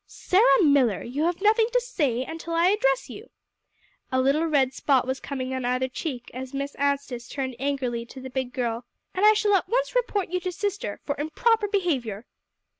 "Sarah Miller, you have nothing to say until I address you." A little red spot was coming on either cheek as Miss Anstice turned angrily to the big girl. "And I shall at once report you to sister, for improper behavior."